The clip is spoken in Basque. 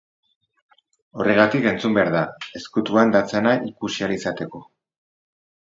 Horregatik entzun behar da, ezkutuan datzana ikusi ahal izateko.